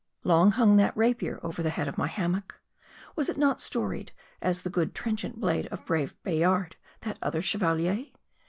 Long hung that rapier over the head of my hammock. Was it not storied as the good trenchant blade of brave Bayard, that other chevalier?